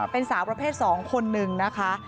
เป็นสาวประเภท๒คนนึงนะคะ